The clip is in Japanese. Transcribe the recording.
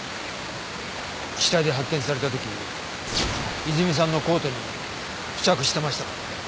死体で発見された時いずみさんのコートに付着してましたから。